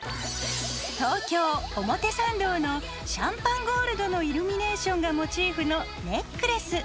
東京・表参道のシャンパンゴールドのイルミネーションがモチーフのネックレス。